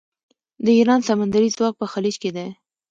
د ایران سمندري ځواک په خلیج کې دی.